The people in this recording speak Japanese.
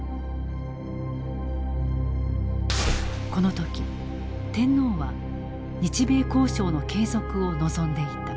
この時天皇は日米交渉の継続を望んでいた。